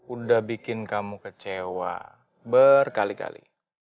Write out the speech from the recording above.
udah bikin kamu kecewa berkali kali